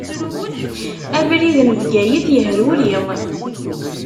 Abrid n Bgayet yehruri.